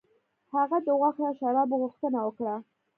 هغه د غوښې او شرابو غوښتنه وکړه.